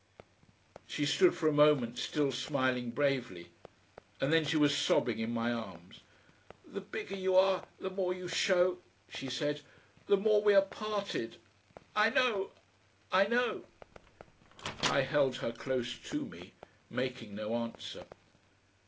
She stood for a moment still smiling bravely, and then she was sobbing in my arms. "The bigger you are the more you show," she said "the more we are parted. I know, I know " I held her close to me, making no answer.